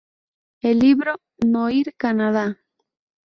El libro "Noir Canada.